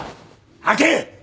吐け！